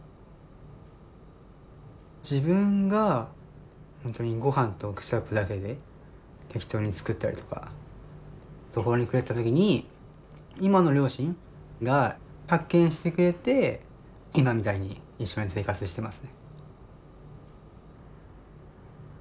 自分がほんとにごはんとケチャップだけで適当に作ったりとか途方に暮れてた時に今の両親が発見してくれて今みたいに一緒に生活してますね。